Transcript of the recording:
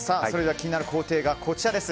気になる工程がこちらです。